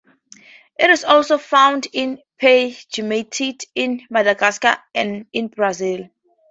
It is also found in pegmatite in Madagascar and in Brazil.